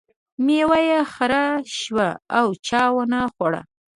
میوه یې خره شوه او چا ونه خوړه.